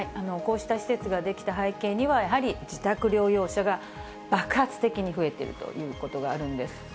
こうした施設が出来た背景には、やはり自宅療養者が爆発的に増えているということがあるんです。